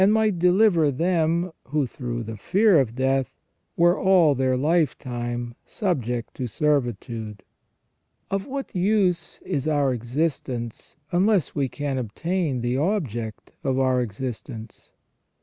might deliver them who through the fear of death were all their lifetime subject to servitude ". Of what use is our existence unless we can obtain the object of our existence